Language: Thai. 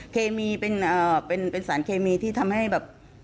เคมีเป็นสารเคมีที่ทำให้แบบ